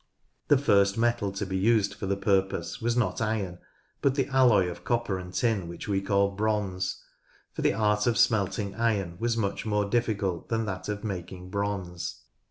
The first metal to be used for the purpose was not iron, but the alloy of copper and tin which we call bronze, for the art of smelting iron was much more difficult than that of making bronze.